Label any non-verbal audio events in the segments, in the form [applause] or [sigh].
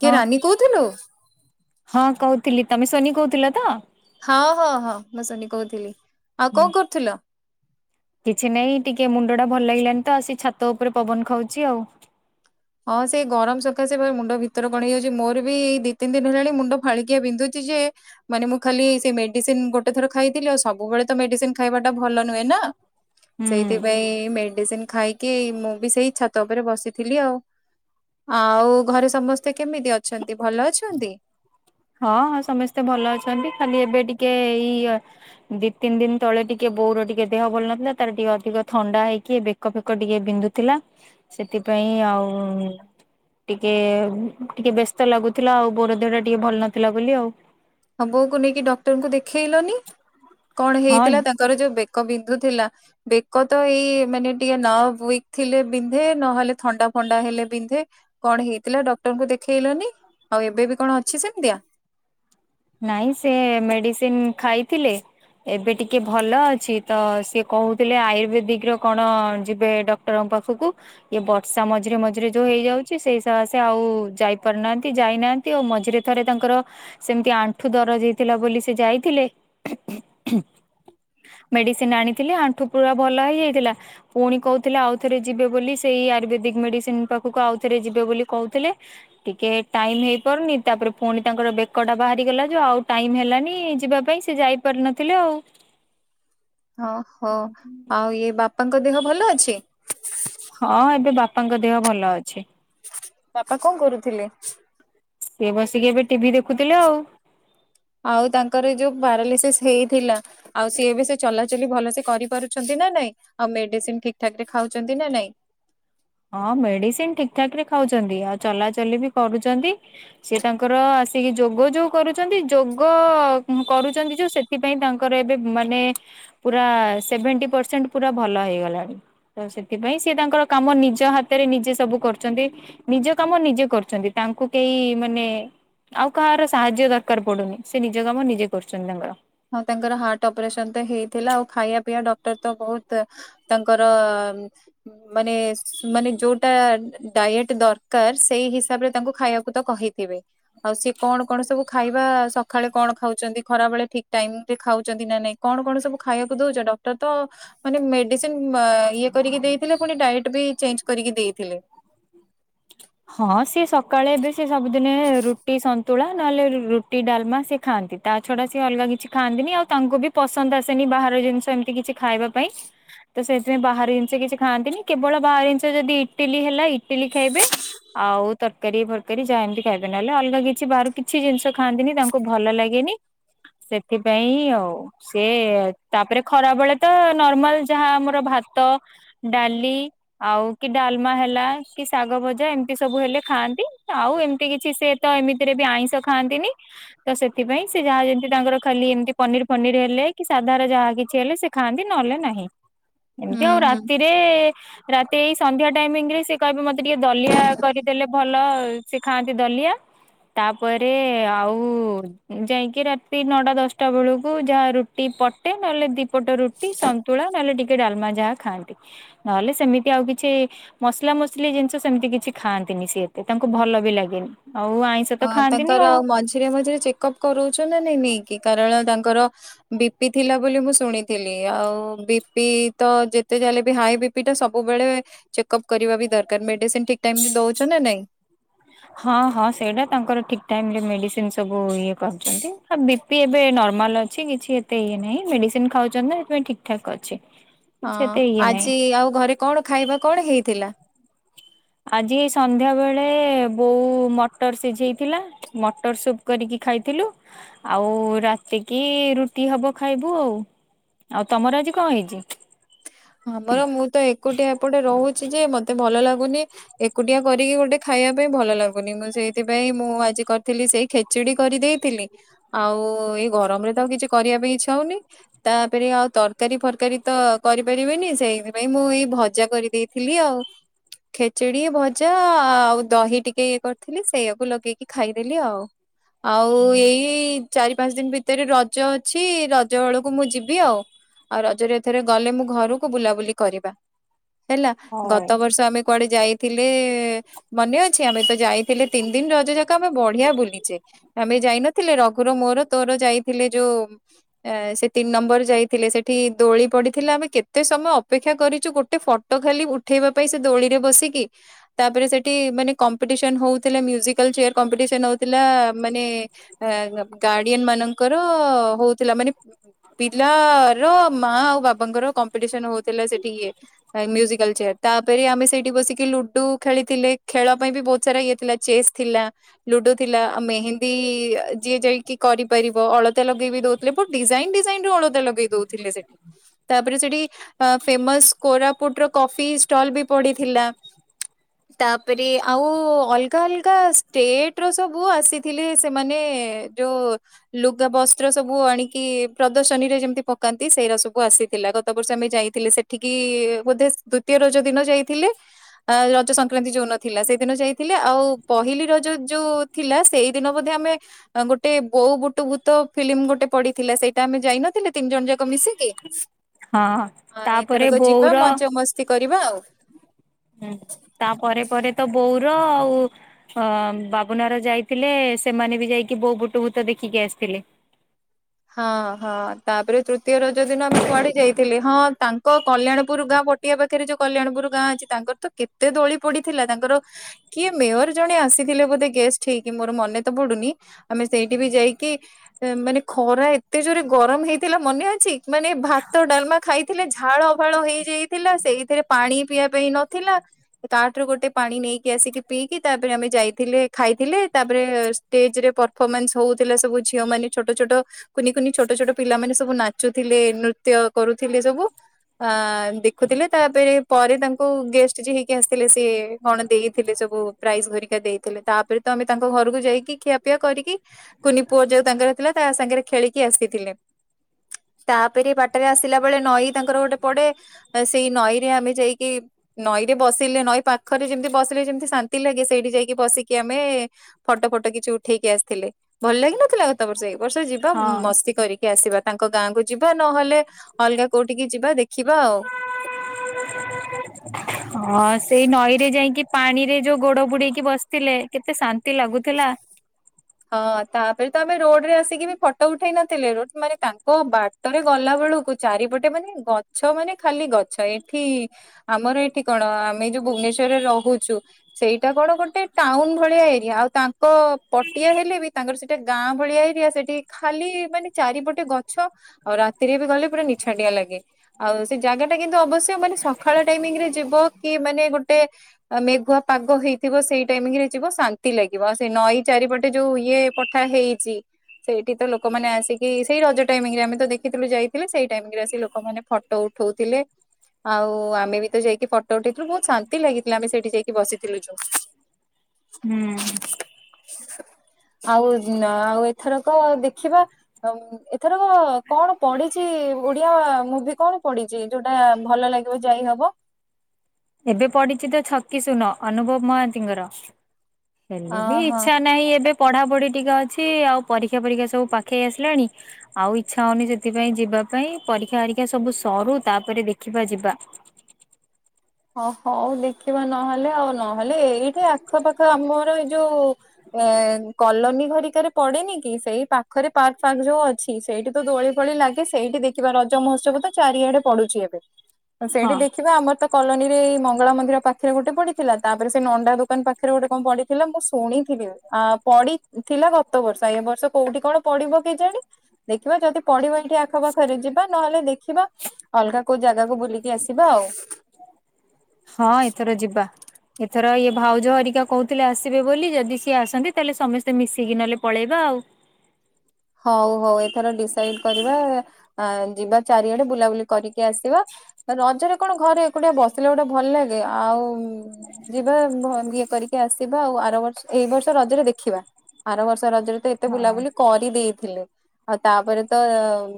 କିଏ ହଁ, ରାନୀ କହୁଥିଲୁ ହଁ କହୁଥିଲି ତମେ ସୁନି କହୁଥିଲ ତ? ହଁ ହଁ ହଁ ମୁଁ ସୁନି କହୁଥିଲି, ଆଉ କଣ କରୁଥିଲ? କିଛି ନାଇଁ ଟିକେ ମୁଣ୍ଡ ଟା ଭଲ ଲାଗିଲାନି ତ, ଆସି ଛାତ ଉପରେ ପବନ ଖାଉଛି ଆଉ। ହଁ ସେଇ ଗରମ ସକାଶେ ମୁଣ୍ଡ ଭିତରେ କଣ ହେଇଯାଉଛି, ମୋର ବି ଦି ତିନି ଦିନ ହେଲାଣି ମୁଣ୍ଡ ଫାଳିକିଆ ବିନ୍ଧୁଛି ଯେ ମାନେ ମୁଁ ଖାଲି ସେ ମେଡିସିନ ଗୋଟେ ଥର ଖାଇଥିଲି ଆଉ ସବୁବେଳେ ତ ମେଡିସିନ ଖାଇବାଟା ଭଲ ନୁହେଁ ନା। ହୁଁ। ସେଇଥିପାଇଁ ମେଡିସିନ ଖାଇକି ମୁଁ ବି ସେଇ ଛାତ ଉପରେ ବସିଥିଲି ଆଉ। ଆଉ ଘରେ ସମସ୍ତେ କେମିତି ଅଛନ୍ତି? ଭଲ ଅଛନ୍ତି? ହଁ ହଁ ସମସ୍ତେ ଭଲ ଅଛନ୍ତି, ଖାଲି ଏବେ ଟିକେ ଇଏ ଦି ତିନି ଦିନ ତଳେ ଟିକେ ବୋଉର ଟିକେ ଦେହ ଭଲ ନଥିଲା, ତାର ଟିକେ ଅଧିକ ଥଣ୍ଡା ହେଇକି ବେ ବେକ ଫେକ ଟିକେ ବିନ୍ଧୁଥିଲା। ସେଥିପାଇଁ ଆଉ ଟିକେ ଟିକେ ବ୍ୟସ୍ତ ଲାଗୁଥିଲା ଆଉ ବୋଉର ଦେହ ଟା ଟିକେ ଭଲ ନଥିଲା ବୋଲି ଆଉ। ହ ବଉକୁ ନେଇକି ଡକ୍ଟରଙ୍କୁ ଦେଖେଇଲନି? କଣ ହଁ ହେଇଥିଲା ତାଙ୍କର ଯୋଉ ବେକ ବିନ୍ଧୁ ଥିଲା। ବେକ ତ ଏଇ ମାନେ ଟିକେ ନର୍ବ ଉଇକ୍ ଥିଲେ ବିନ୍ଧେ ନହେଲେ ଥଣ୍ଡା ଫଣ୍ଡା ହେଲେ ବିନ୍ଧେ। କଣ ହେଇଥିଲା? ଡକ୍ଟରଙ୍କୁ ଦେଖେଇଲନି ଆଉ ଏବେ ବି କଣ ଅଛି ସେମିତିଆ? ନାଇଁ ସେ ମେଡିସିନ ଖାଇଥିଲେ। ଏବେ ଟିକେ ଭଲ ଅଛି ତ ସିଏ କହୁଥିଲେ ଆୟୁର୍ବେଦିକ ର କଣ ଯିବେ ଡକ ଡକ୍ଟର ପାଖକୁ, ଇଏ ବର୍ଷା ମଝିରେ ମଝିରେ ଯୋଉ ହେଇଯାଉଛି ସେଇ [inaudible] ଆଉ ଯାଇ ପାରୁନାହାନ୍ତି, ଯାଇନାହାନ ନ୍ତି, ମଝିରେ ଥରେ ତାଙ୍କର ସେମ ଆଣ୍ଠୁ ଦରଜ ହେଇଥିଲା ବୋଲି ସେ ଯାଇଥିଲେ। ମେଡ଼ିସିନ ଆଣିଥିଲେ ଆଣ୍ଠୁ ପୁରା ଭଲ ହେଇଯାଇଥିଲା। ପୁଣି କହୁଥିଲେ ଆଉଥରେ ଯିବେ ବୋଲି ସେଇ ଆୟୁର୍ବେଦିକ ମେଡିସିନ ପାଖକୁ ଆଉଥରେ ଯିବେ ବୋଲି କହୁଥିଲେ। ଟିକେ ଟାଇମ ହେଇପାରୁନି ତାପରେ ପୁଣି ତାଙ୍କର ବେକ ଟା ବାହାରିଗଲା ଯୋଉ ଆଉ ଟାଇମ ହେଲାନି ଯିବା ପାଇଁ ସେ ଯାଇପାରିନଥିଲେ ଆଉ। ଓଁହୋ ଆଉ ଇଏ ବାପାଙ୍କ ଦେହ ଭଲ ଅଛି? ହଁ ଏବେ ବାପାଙ୍କ ଦେହ ଭଲ ଅଛି। ବାପା କଣ କରୁଥିଲେ? ସିଏ ବସିକି ଏବେ ଟିଭି ଦେଖୁଥିଲେ ଆଉ। ଆଉ ତାଙ୍କର ଯୋଉ ପାରାଲିସିସ୍ ହେଇଥିଲା ଆଉ ସିଏ ବି ସେ ଚଲାଚଲି ଭଲ ସେ କରିପାରୁଛନ୍ତି ନା ନାଇଁ? ଆଉ ମେଡିସିନ ଠିକ ଠାକ ରେ ଖାଉଛନ୍ତି ନା ନାଇଁ? ହଁ ମେଡିସିନ ଠିକ ଠାକ ରେ ଖାଉଛନ୍ତି ଆଉ ଚଲାଚଲି ବି କରୁଛନ୍ତି। ସେତାଙ୍କର ଆସିକି ଯୋଗ ଯୋଉ କରୁଛନ୍ତି ଯୋଗ କରୁଛନ୍ତି ଯୋଉ ସେ ସେଥିପାଇଁ ତାଙ୍କର ଏବେ ମାନେ ପୁରା ସେଭେଣ୍ଟି ପରସେଣ୍ଟ ପୁରା ଭଲ ହେଇଗଲାଣି ତ ସେଥିପାଇଁ ସେ ତାଙ୍କର କାମ ନି ନିଜ ହାତରେ ନିଜେ ସବୁ କରୁଛନ୍ତି ନିଜ କାମ ନିଜେ କରୁଛନ୍ତି ତାଙ୍କୁ କେହି ମାନେ ଆଉ କାହାର ସାହାଯ୍ୟ ଦରକାର ପଡୁନି ସେ ନିଜ କାମ ନିଜେ କରୁଛନ୍ତି ତାଙ୍କର। ହଁ ତାଙ୍କର ହାର୍ଟ ଅପରେସନ ତ ହେଇଥିଲା ଆଉ ଖାଇବା ପିଇବା ଡକ୍ଟର ତ ବହୁତ ତାଙ୍କର ମାନେ ମାନେ ଯୋଉଟା ଡାଏଟ ଦରକାର ସେଇ ହିସାବରେ ତାଙ୍କୁ ଖାଇବାକୁ ତ କହିଥିବେ ଆଉ ସି କଣ କଣ ସବୁ ଖାଇବା ସକାଳେ କଣ ଖାଉଛନ୍ତି ଖରାବେଳେ ଠିକ ଟାଇମ ରେ ଖାଉଛନ୍ତି ନା ନାଇଁ କଣ କଣ ସବୁ ଖାଇବାକୁ ଦଉଛ ଡକ୍ଟର ତ ମାନେ ମେଡିସିନ ଇଏ କରିକି ଦେଇଥିଲେ ପୁଣି ଡାଏଟ୍ ବି ଚେଞ୍ଜ କରିକି ଦେଇଥିଲେ। ହଁ ସିଏ ସକାଳେ ଏବେ ସେ ସବୁଦିନେ ରୁଟି ସ ତୁଳା ନହେଲେ ରୁଟି ଡାଲମା ସେ ଖାଆନ୍ତି ତା ଛଡା ସିଏ ଅଲଗା କିଛି ଖାଆନ୍ତିନି ଆଉ ତାଙ୍କୁ ବି ପସନ୍ଦ ଆସେନି ବାହାର ଜିନିଷ ଏମିତି କିଛି ଖାଇବା ପାଇଁ। ତ ସେଥିପାଇଁ ବାହାର ଜିନିଷ କିଛି ଖାଆନ୍ତିନି କେବଳ ବାହାର ଜିନିରେ ଯଦି ଇଟିଲି ହେଲା ଇଟିଲି ଖାଇବେ। ଆଉ ତରକାରୀ ଫରକାରୀ ଯାହା ଏମିତି ଖାଇବେ ନହେଲେ ଅଲଗା କିଛି ବାହାରୁ କିଛି ଜିନିଷ ଖାଆନ୍ତିନି ତାଙ୍କୁ କୁ ଭଲ ଲାଗେନି ସେଥିପାଇଁ ଆଉ। ସେ ତାପରେ ଖରା ବେଳେ ତ ନର୍ମାଲ ଯାହା ଆମର ଭାତ। ଡାଲି ଆଉ କି ଡାଲମା ହେଲା କି ଶାଗ ଭଜା ଏମତି ସବୁ ହେଲେ ଖାଆନ୍ତି ଆଉ ଏମିତି କିଛି ସେ ତ ଏମିତିରେ ବି ଆଇଁଷ ଖାଆନ୍ତିନି। ତ ସେଥିପାଇଁ ସେ ଯାହା ଯେମିତି ତାଙ୍କର ଖାଲି ଏମିତି ପନିର ଫନିର ହେଲେ କି ସାଧାର ଯାହା କିଛି ହେଲେ ସେ ଖାଆନ୍ତି ନହଲେ ନାହିଁ। ହ ଏମତି ଆଉ ରାତିରେ ରାତି ଏଇ ସନ୍ଧ୍ୟା ଟାଇମିଂ ରେ ସେ କହିବେ ମତେ ଟିକେ ଦଲିଆ କରିଦେଲେ ଭଲ ସେ ଖାଆନ୍ତି ଦଲିଆ। ତାପରେ ଆଉ ଯାଇକି ରାତି ନଅଟା ଦଶଟା ବେଳକୁ ଯାହା ରୁ ଟି ପଟେ ନହେଲେ ଦିଇପଟ ରୁଟି ସନ୍ତୁଳା ନହେଲେ ଟିକେ ଡାଲମା ଯାହା ଖାଆନ୍ତି। ନହେଲେ ସେମିତି ଆଉ କିଛି ମସଲା ମସଲି ଜିନିଷ ସେମିତି କିଛି ଖାଆନ୍ତିନି ସିଏ ଏତେ ତାଙ୍କୁ ଭଲ ବି ଲାଗେନି ଆଉ ଆଇ ଅ ତାଙ୍କର ଆଉ ମଝିରେ ମଝିରେ ଚେକଅପ୍ କରାଉଛ ନା ନାଇଁ ନେଇକି କାରଣ ତାଙ୍କର ବିପି ଥିଲା ବୋଲି ମୁଁ ଶୁଣିଥିଲି ଆଉ ବି ପି ତ ଯେତେ ଚାାଲେ ବି ହାଇ ବିି ପିଟା ସବୁବେଳେ ଚେକଅପ କରିବା ବି ଦରକାର ମେଡିସିନ ଠିକ ଟାଇମ ଦଉଛ ନା ନାଇଁ? ହଁ ହଁ ସେଇଟା ତାଙ୍କର ଠିକ ଟାଇମ ରେ ମେଡିସିନ ସବୁ ଇଏ କରୁଛନ୍ତି। ବି ଏବେ ନର୍ମାଲ ଅଛି କିଛି ଏତେ ଇଏ ନାହିଁ ମେଡିସିନ ଖାଉଛନ୍ତି ସେଥିପାଇଁ ଠିକ ଠାକ୍ ଅଛି। ହଁ କିଛି ଏତେ ଇଏ ନାହିଁ। ଆଜି ଆଉ ଘରେ କଣ ଖାଇବା କଣ ହେଇଥିଲା? ଆଜି ସନ୍ଧ୍ୟା ବେଳେ ବୋଉ ମଟର ସିଝେଇଥିଲା। ମଟର ସୁପ କରିକି ଖାଇଥିଲୁ। ଆଉ ରାତି କିି ରୁଟି ହବ ଖାଇବୁ ଆଉ। ଆଉ ତମର ଆଜି କଁ ହେଇଚି। ଆମର ମୁଁ ତ ଏକୁଟିଆ ଏପଟେ ରହୁଛି ଯେ ମତେ ଭଲ ଲାଗୁନି। ଏକୁଟିଆ କରିକି ଗୋଟେ ଖାଇବା ପାଇଁ ଭଲ ଲାଗୁନି ମୁଁ ସେଇଥିପାଇଁ ମୁଁ ଆଜି କରିଥିଲି ସେଇ ଖେ ଚିଡି କରିଦେଇଥିଲି ଆଉ ଏଇ ଗରମ ରେ ତ ଆଉ କିଛି କରିବା ପାଇଁ ଇଚ୍ଛା ହୋଉନି। ତାପେରେ ଆଉ ତରକାରୀ ଫରକାରୀ ତ କରି ପାରିବିନି ସେଇଥିପାଇଁ ମୁଁ ଏଇ ଭଜା କରିଦେଇଥିଲି ଆଉ। ଖେଚେଡି ଭଜା ଆଉ ଦହି ଟିକେ ଇଏ କରିଥିଲି ସେଇଆକୁ ଲଗେଇକି ଖାଇଦେଲି ଆଉ। ଆଉ ଏଇ ଚାରି ପାଞ୍ଚ ଦିନ ଭିତରେ ରଜ ଅଛି ରଜ ବେଳକୁ ମୁଁ ଯିବି ଆଉ ଆଉ ରଜରେ ଏଥରେ ଗଲେ ମୁଁ ଘରକୁ ବୁଲାବୁଲି କରିବା ହେଲା ଗତ ବର୍ଷ ଆମେ କୁଆଡେ ଯାଇ ଥିଲେ ମନେ ଅଛି ଆମେ ତ ଯାଇଥିଲେ ତିନି ଦିନ ରଜ ଯାକ ଆମେ ବଢିଆ ବୁଲିଚେ। ଆମେ ଯାଇନଥିଲେ ରଘୁର ମୋରୋ ତୋରୋ ଯାଇଥିଲେ ଯୋଉ ଏଁ ସେ ତିନି ନମ୍ବର ଯାଇଥିଲେ ସେଠି ଦୋଳି ପଡିଥିଲା ବି କେ ତେ ସମୟେ ଅପେକ୍ଷା କରିଚୁ ଗୋଟେ ଫଟ ଖାଲି ଉଠେଇବା ପାଇଁ ସେ ଦୋଳିରେ ବସିକି। ତାପରେ ସେଠି ମାନେ କମ୍ପିଡିସନ୍ ହୋଉଥିଲା ମ୍ୟୁଜିକାଲ୍ ଚେୟାର କମ୍ପିଡିସନ୍ ହୋଉଥିଲା ମାନେ [unintelligible] ଗାର୍ଡିଆନ୍ ମାନଙ୍କର ହୋଉଥିଲା ମାନେ ପିଲାର ମା ଆଉ ବାବାଙ୍କର କମ୍ପିଡିସନ୍ ହୋଉଥୁଲା ସେଠି ଇଏ ଆଁ ମ୍ୟୁଜିକାଲ ଚେୟାର ତାପେରେ ଆମେ ସେଇଠି ବସିକି ଲୁଡୁ ଖେଳିଥିଲେ ଖେଳ ପାଇଁ ବି ବୋହୁତ ସାରା ଇଏ ଥିଲା ଚେସ୍ ଥିଲା ଲୁଡୁ ଥିଲା ଆଉ ମେହେନ୍ଦୀ ଯିଏ ଯାଇକି କରି ପାରିବ ଅଳତା ଲଗେଇ ବି ଦୋଉଥିଲେ ବୋହୁତ ଡିଜାଇନ୍ ଡିଜାଇନ୍ ର ଅଳତା ଲଗେଇ ଦୋଉଥିଲେ ସେଠି ତାପରେ ସେଠି ଅଁ ଫେମସ୍ କୋରାପୁଟ ର କଫି ଷ୍ଟଲ ବି ପଢିଥିଲା। ତାପେରେ ଆଉ ଅଲଗା ଅଲଗା ଷ୍ଟେଟ୍ ର ସବୁ ଆସିଥିଲେ ସେମାନେ ଯୋଉ ଲୁଗା ବସ୍ତ୍ର ସବୁ ଆଣିକି ପ୍ରଦର୍ଶନୀରେ ଯେମିତି ପକାନ୍ତି ସେଇରା ସବୁ ଆସିଥିଲା ଗ ତ ବର୍ଷ ଆମେ ଯାଇଥିଲେ ସେଠିକି ବୋଧେ ଦୁତୀୟ ରଜ ଦିନ ଯାଇଥିଲେ। ଆଁ ରଜ ସଂକ୍ରାନ୍ତି ଯୋଉନଥିଲା ସେଇଦିନ ଯାଇଥିଲେ ଆଉ ପହିଲି ରଜ ଯୋଉ ଥିଲା ସେଇଦିନ ବୋଧେ ଆମେ ଗୋଟେ ବୋଉ ବୁଟ ଭୁତ ଫିଲ୍ମ ଗୋଟେ ପଡିଥିଲା ସେଇଟା ଆମେ ଯାଇନଥିଲେ ତିନି ଜଣ ଯାକ ମିଶିକି ହଁ ହଁ। ହଁ ଏଥରକ ଯିବା ମଜ ମସ୍ତି କରିବା ଆଉ। ହୁଁ ତାପରେ ପରେ ତ ବୋଉର ଆଉ ଅଁ ବାବୁନାର ଯାଇଥିଲେ ସେମାନେ ବି ଯାଇକି ବୋଉ ବୁଟ ଭୁତ ଦେଖିକି ଆସିଥିଲେ। ହଁ ହଁ ତାପେରେ ତୃତୀୟ ରଜ ଦିନ ଆମେ କୁଆଡେ ଯାଇଥିଲେ ହଁ ତାଙ୍କ କଲ୍ୟାଣପୁରୁ ଗାଁ ପ ଟିଆ ପାଖେରେ ଯୋଉ କଲ୍ୟାଣପୁରୁ ଗାଁ ଅଛି ତାଙ୍କର ତ କେତେ ଦୋଳି ପଡିଥିଲା ତାଙ୍କର କିଏ ମେୟର ଜଣେ ଆସିଥିଲେ ବୋଧେ ଗେଷ୍ଟ ହେଇକି ମୋର ମନେ ତ ପଡୁନି ଆମେ ସେଇଠି ବି ଯାଇକି ଏଁ ମାନେ ଖରା ଏତେ ଜୋରେ ଗରମ ହେଇଥିଲା ମନେ ଅଛି ମାନେ ଭାତ ଡାଲମା ଖାଇଥିଲେ ଝାଳ ଫାଳ ହେଇଯାଇ ଥିଲା ସେଇଥିରେ ପାଣି ପିଇବା ପାଇଁ ନଥିଲା। ତାଠୁରୁ ଗୋଟେ ପାଣି ନେଇକି ଆସିକି ପିଇକି ତାପରେ ଆମେ ଯାଇଥିଲେ ଖାଇଥିଲେ ତାପରେ ଟେଜ୍ ରେ ପରଫମାନ୍ସ ହୋଉଥିଲା ସବୁ ଝିଅ ମାନ ଛୋଟୋ ଛୋଟୋ କୁନି କୁନି ଛୋଟୋ ଛୋଟୋ ପିଲାମାନେ ସବୁ ନାଚୁଥିଲେ ନୃତ୍ୟ କରୁଥିଲେ ସବୁ। ଆଁ ଦେଖୁଥିଲେ ତାପେରେ ପରେ ତାଙ୍କୁ ଗେଷ୍ଟ ଯିଏ ହେଇକି ଆସିଥିଲେ ସିଏ କଣ ଦେଇଥିଲେ ସବୁ ପ୍ରାଇସ୍ ଘରିକା ଦେଇଥିଲେ ତାପରେ ତ ଆମେ ତାଙ୍କ ଘରକୁ ଯାଇକି ଖିଆପିଆ କରିକି କୁନି ପୁଅ ଯୋଉ ତାଙ୍କର ଥିଲା ତା ସାଙ୍ଗେରେ ଖେଳିକି ଆସିଥିଲେ। ତାପେରେ ବାଟେରେ ଆସିଲା ବେଳେ ନଈ ତାଙ୍କର ଗୋଟେ ପଡେ। ସେଇ ନଈରେ ଆମେ ଯାଇକି ନଈରେ ବସିଲେ ନଈ ପାଖରେ ଯେମିତି ବସିଲେ ଯେମିତି ଶାନ୍ତି ଲାଗେ ସେଇଠି ଯାଇକି ବସିକି ଆମେ ଫଟ ଫଟ କିଛି ଉଠେଇକି ଆସିଥିଲେ ଭଲ ଲାଗିନଥିଲା ଗତ ବର୍ଷ ଏଇ ବର୍ଷ ବା ହଁ। ମସ୍ତି କରିକି ଆସିବା ତାଙ୍କ ଗାଁକୁ ଯିବା ନହେଲେ ଅଲଗା କୋଉଠିକି ଯିବା ଦେଖିବା ଆଉ। [inaudible] ହଁ ସେଇ ନଈରେ ଯାଇକି ପାଣିରେ ଯୋଉ ଗୋଡ ବୁଡେଇକି ବସିଥିଲେ କେତେ ଶାନ୍ତି ଲାଗୁଥିଲା। ହଁ ତାପରେ ତ ଆମେ ରୋଡ ରେ ଆସିକି ବି ଫଟୋ ଉଠେଇ ନଥିଲେ ରୋ ମାନେ ତାଙ୍କ ବା ହଟରେ ଗଲା ବେଳକୁ ଚାରିପଟେ ମାନେ ଗଛ ମାନେ ଖାଲି ଗଛ ଏଠି ଆମର ଏଠି କଣ ଆମେ ଯୋଉ ଭୁବନେସ୍ୱରରେ ରହୁଛୁ। ସେଇଟା କଣ ଗୋଟେ ଟାଉନ ଭଳିଆ ଏରିଆ ଆଉ ତାଙ୍କ ପ ଟିଆ ହେଲେ ବି ତାଙ୍କର ସେଟା ଗାଁ ଭଳିଆ ଏରିଆ ସେଠି ଖାଲି ମାନେ ଚାରିପଟେ ଗଛ। ଆଉ ରାତିରେ ବି ଗଲେ ପୁରା ନିଛାଟିଆ ଲାଗେ। ଆଉ ସେ ଜାଗା ଟା କିନ୍ତୁ ଅବଶ୍ୟ ମାନେ ସଖାଳ ଟାଇମିଙ୍ଗ ରେ ଯିବ କି ମାନେ ଗୋଟେ ମେଘୁଆ ପାଗ ହେଇଥିବ ସେଇ ଟାଇମରେ ଯିବ ଶାନ୍ତି ଲାଗିବ। ଆଉ ସେ ନଈ ଚାରିପଟେ ଯୋଉ ଇଏ ପଠା ହେଇଛି। ସେଇଠି ତ ଲୋକମାନେ ଆସିକି ସେଇ ରଜ ଟାଇମି ରେ ଆମେ ତ ଦେଖିଥିଲୁ ଯାଇଥିଲେ ସେଇ ଟାଇମ ରେ ଆସିି ଲୋକମାନେ ଫଟୋ ଉଠ ଉଠଉଥିଲେ। ଆଉ ଆମେ ବି ତ ଯାଇକି ଫଟୋ ଉଠେଇଥିଲୁ ବହୁତ ଶାନ୍ତି ଲାଗିଥିଲା ଆମେ ସେଇଠି ଯାଇକି ବସିଥିଲୁ ଯୋଉ। ହୁଁ। ଆଉ ଆଉ ଏଥର କ ଦେଖିବା ଏଥର କଣ ପଢିଛି ଓଡିଆ ମୁଭି କଣ ପଢିଛି ଯୋଉଟା ଭଲ ଲାଗିବ ଯାଇ ହବ? ଏବେ ପଡିଛି ତ ଛକି ଶୂନ ଅନୁଭବ ମହାନ୍ତିଙ୍କର। ହେଲେ ଅ ବି ହଁ ଇଚ୍ଛା ନାହିଁ ଏବେ। ପଢା ପଢି ଟିକେ ଅଛି ଆଉ ପରୀକ୍ଷା ପରୀକ୍ଷା ସବୁ ପାଖେଇ ଆସିଲାଣି। ଆଉ ଇଚ୍ଛା ହଉନି ସେଥିପାଇଁ ଯିବା ପାଇଁ ପରୀକ୍ଷା ଆରକ୍ଷା ସବୁ ସରୁ ତାପରେ ଦେଖିବା ଯିବା। ଓ ହୋଉ ଦେଖିବା ନହେଲେ ଆଉ ନହେଲେ ଏଇଠି ଆଖପାଖ ଆମର ଏଇ ଯୋଉ ଏ କଲୋନୀ ଘରିକାରେ ପଡେନି କି ସେଇ ପାଖରେ ପାର୍କ ଫାର୍କ ଯୋଉ ଅ ଅଛି, ସେଇଠି ତ ଦୋଳି ଫୋଳି ଲାଗେ ସେଇଠି ଦେଖିବା ରଜ ମହୋତ୍ସବ ତ ଚାରିଆଡେ ପଡୁଛି ଏବେ। ସେଇଠି ହଁ ଦେଖିବା ଆମ କଲୋନୀରେ ଏଇ ମଙ୍ଗଳା ମନ୍ଦିର ପାଖରେ ଗୋଟେ ପଡିଥିଲା ତାପରେ ସେ ନଣ୍ଡା ଦୋକାନ ପାଖରେ ଗୋଟେ କଣ ପଡିଥିଲା ମୁଁ ଶୁଣିଥିଲି। ଆ ପଡିଥିଲା ଗତ ବର୍ଷ ଏ ବର୍ଷ କୋଉଠି କଣ ପଡିବ କେଜାଣି? ଦେଖିବା ଯଦି ପଢିବ ଏଇଠି ଆଖପାଖରେ ଯିବା ନହେଲେ ଦେଖିବା। ଅଲଗା କୋଉ ଜାଗାକୁ ବୁଲିକି ଆସିବା ଆଉ। ହଁ ଏଥର ଯିବା। ଏଥର ଇଏ ଭାଉଜ ହରିକା କହୁଥିଲେ ଆସିବେ ବୋଲି ଯଦି ସିଏ ଆସନ୍ତି ତାହେଲେ ସମସ୍ତେ ମିଶିକି ନହେଲେ ପଳେଇବା ଆଉ। ହଉ ହଉ ଏଥର ଡିସାଇଡ କରିବା ଆଁ ଯିବା ଚାରିଆଡେ ବୁଲାବୁଲି କରିକି ଆସିବା। ରଜରେ କଣ ଘରେ ଏକୁଟିଆ ବସିଲେ ଗୋଟେ ଭଲ ଲାଗେ ଆଉ। ଯିବା ଭ ଇଏ କରିକି ଆସିବା ଆଉ ଆର ବର୍ଷ ଏଇ ବର୍ଷ ରଜରେ ଦେଖିବା। ଆର ବର୍ଷ ରଜରେ ଏତେ ବୁଲାବୁଲି କରିଦେଇଥିଲେ। ଆଉ ତାପରେ ତ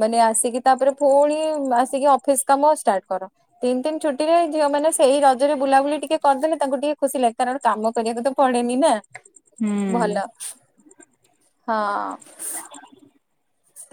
ମାନେ ଆସିକି ତାପରେ ପୁଣି ଆସିକି ଅଫିସ କାମ ଷ୍ଟାର୍ଟ କର। ତିନି ତିିନ ଛୁଟିରେ ଝିଅ ମାନେ ସେଇ ରଜରେ ବୁଲାବୁଲି ଟିକେ କରିଦେଲେ ତାଙ୍କୁ ଟିକେ ଖୁସି ଲାଗେ। କାରଣ କାମ କରିବାକୁ ତ ପଡେନି ନା। ହୁଁ ଭଲ ହଁ।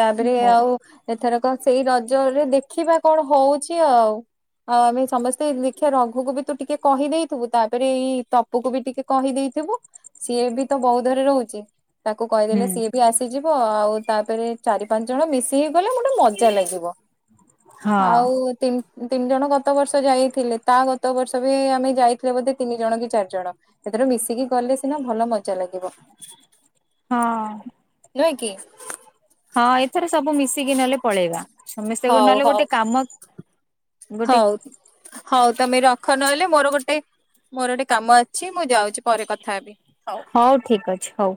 ତାଦେରେ ହୁଁ ଆଉ ଏଥର କଣ ସେଇ ରଜରେ ଦେଖିବା କଣ ହଉଛି ଆଉ? ଆଉ ଆମେ ସମସ୍ତେ ଦେଖିବା ରଘୁକୁ ବି ତୁ ଟିକେ କହିଦେଇଥିବୁ। ତାପରେ ଏଇ ତପ୍ ପୁ କୁ ବି ଟିକେ କହିଦେଇଥିବୁ ସିଏ ବି ତ ବହୁଉଧରେ ରହୁଛି। ତାକୁ କହିଦେଲେ ସିଏ ବି ଆସିଯିବ ଆଉ ତାପରେ ଚାରି ପାଞ୍ଚ ଜଣ ମିସି କି ଗଲେ ଗୋଟେ ମଜା ଲାଗିବ ହଁ ଆଉ। ତିନ୍ ତିନି ଜଣ ଗତ ବର୍ଷ ଯାଇଥିଲେ ତା ଗତ ବର୍ଷ ବି ଆମେ ଯାଇଥିଲେ ବୋଧେ ତିନି ଜଣ କି ଚାରି ଜଣ। ଏଥର ମିଶିକି ଗଲେ ସିନା ଭଲ ମଜା ଲାଗିବ। ହଁ। ନୁହେଁ କି? ହଁ ଏଥର ସବୁ ମିଶିକି ନହେଲେ ପଳେଇବା। ସମସ୍ତଙ୍କୁ ହଉ ନହଲେ ଗୋଟେ ହଉ କାମ ଗୋଟେ ହଉ ହଉ କହ ତମେ ରଖ ନହେଲେ ମୋର ଗୋଟେ ଗଟେ ମୋର ଗୋଟେ କାମ ଅଛି ମୁଁ ଯାଉଛି ପରେ କଥା ହେବି ହଉ ଠିକ ଅଛି ହଉ।